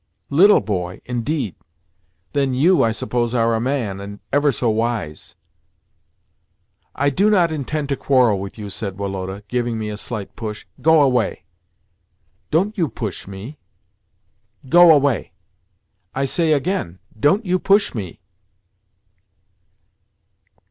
"Little boy, indeed? Then you, I suppose, are a man, and ever so wise?" "I do not intend to quarrel with you," said Woloda, giving me a slight push. "Go away." "Don't you push me!" "Go away." "I say again—don't you push me!"